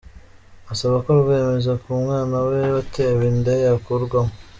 asaba ko rwemeza ko umwana we watewe inda yakurwamo.